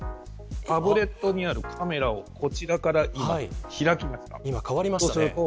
タブレットにあるカメラをこちらから今、開きました。